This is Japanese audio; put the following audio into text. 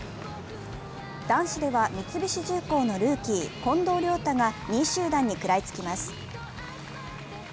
男子では三菱重工のルーキー・近藤亮太が２位集団に食らいつきます。